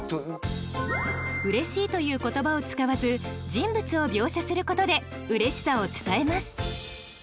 「嬉しい」という言葉を使わず人物を描写することで嬉しさを伝えます。